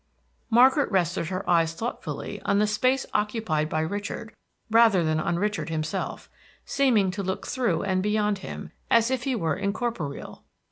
Margaret rested her eyes thoughtfully on the space occupied by Richard rather than on Richard himself, seeming to look through and beyond him, as if he were incorporeal.